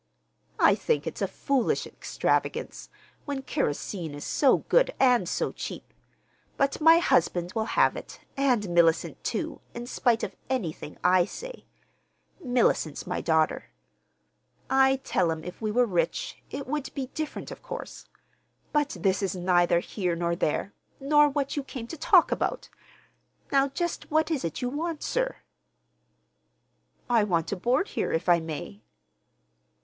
"I think it's a foolish extravagance, when kerosene is so good and so cheap; but my husband will have it, and Mellicent, too, in spite of anything I say—Mellicent's my daughter. I tell 'em if we were rich, it would be different, of course. But this is neither here nor there, nor what you came to talk about! Now just what is it that you want, sir?" "I want to board here, if I may."